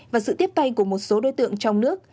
và sự tiếp tay của một số đối tượng trong nước